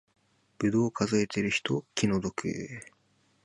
ぶどう数えてる人気の毒